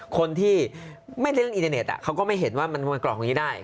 คนที่ไม่ได้เล่นอินเทอร์เน็ตเขาก็ไม่เห็นว่ามันมวยกรอกอย่างนี้ได้